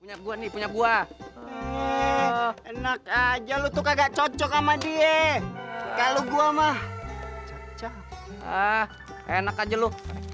punya gua nih punya gua enak aja lu tuh agak cocok sama dia kalau gua mah ah enak aja lu